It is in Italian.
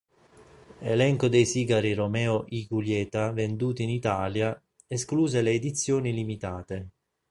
Elenco dei sigari Romeo y Julieta venduti in Italia, escluse le edizioni limitate.